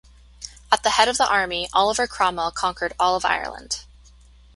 At the head of the army, Oliver Cromwell conquered all of Ireland.